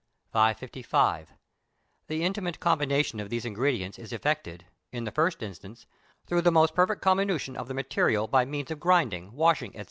555. The intimate combination of these ingredients is effected, in the first instance, through the most perfect comminution of the material by means of grinding, washing, &c.